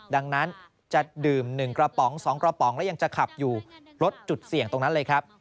ดังนั้นจะดื่ม๑กระป๋อง๒กระป๋องแล้วยังจะขับอยู่ลดจุดเสี่ยงตรงนั้นเลยครับ